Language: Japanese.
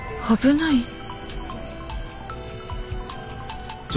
「危ない」？